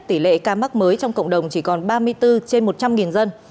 tỷ lệ ca mắc mới trong cộng đồng chỉ còn ba mươi bốn trên một trăm linh dân